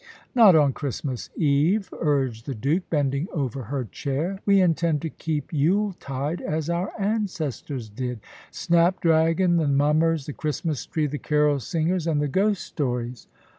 "Not on Christmas Eve," urged the Duke, bending over her chair. "We intend to keep Yule tide as our ancestors did snap dragon, the mummers, the Christmas tree, the carol singers, and the ghost stories."